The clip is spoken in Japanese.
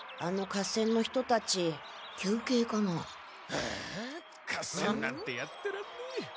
ああ合戦なんてやってらんねえ。